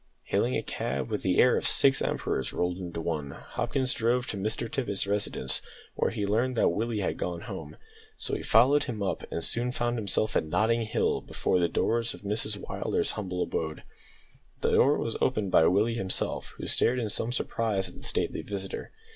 Hailing a cab with the air of six emperors rolled into one, Hopkins drove to Mr Tippet's residence, where he learned that Willie had gone home, so he followed him up, and soon found himself at Notting Hill before the door of Mrs Willders' humble abode. The door was opened by Willie himself, who stared in some surprise at the stately visitor.